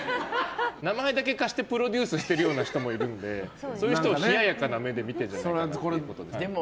名前だけ貸してプロデュースしているような人もいるのでそういう人を冷ややかな目で見てるんじゃないかってことで。